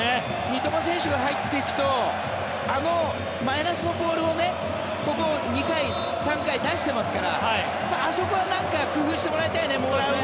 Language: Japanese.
三笘選手が入っていくとあのマイナスのボールをここ、２回、３回出してますからあそこはなんか工夫してもらいたいね。